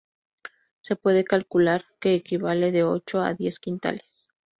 Se puede calcular que equivale de ocho a diez quintales.